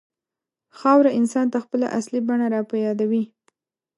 خاوره انسان ته خپله اصلي بڼه راپه یادوي.